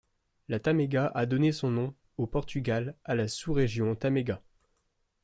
La Tâmega a donné son nom, au Portugal, à la sous-région Tâmega.